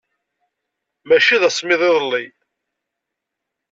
Maci d asemmiḍ iḍelli.